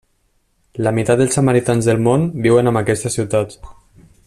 La meitat dels samaritans del món viuen en aquesta ciutat.